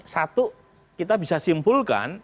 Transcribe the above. satu kita bisa simpulkan